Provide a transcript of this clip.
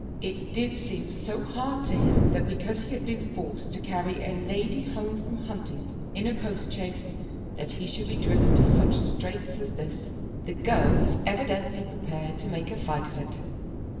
It did seem so hard to him that because he had been forced to carry a lady home from hunting in a postchaise, that he should be driven to such straits as this! The girl was evidently prepared to make a fight of it.